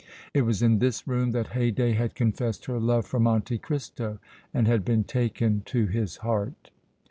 It was in this room that Haydée had confessed her love for Monte Cristo and had been taken to his heart.